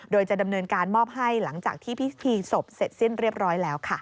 โดยจะดำเนินการมอบให้หลังจากที่พิธีศพเสร็จสิ้นเรียบร้อยแล้วค่ะ